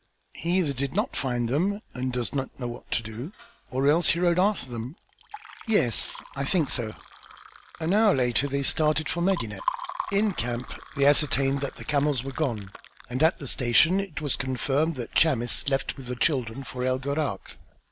"He either did not find them and does not know what to do or else rode after them." "Yes, I think so." An hour later they started for Medinet. In camp they ascertained that the camels were gone, and at the station it was confirmed that Chamis left with the children for El Gharak.